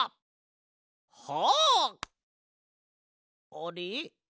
あれ？